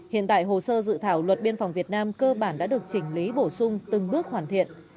hiện tại hồ sơ dự thảo luật biên phòng việt nam cơ bản đã được chỉnh lý bổ sung từng bước hoàn thiện